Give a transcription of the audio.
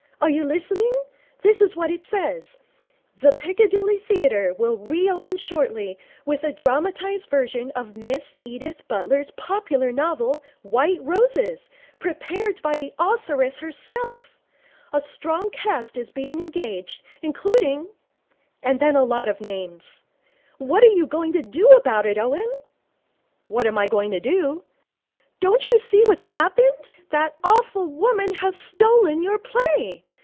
Are you listening? This is what it says: "The Piccadilly Theatre will reopen shortly with a dramatized version of Miss Edith Butler's popular novel, White Roses, prepared by the authoress herself. A strong cast is being engaged, including " And then a lot of names. What are you going to do about it, Owen?' 'What am I going to do?' 'Don't you see what's happened? That awful woman has stolen your play.